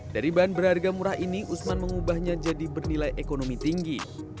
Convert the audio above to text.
dari bahan berharga murah ini usman mengubahnya jadi bernilai ekonomi tinggi